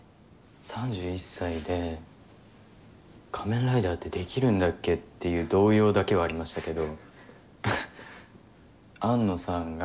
３１歳で仮面ライダーってできるんだっけ？」っていう動揺だけはありましたけど。